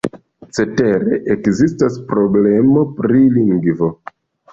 Cetere, ekzistas problemo pri lingvo.